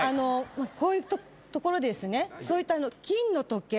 こういうところですねそういった金の時計。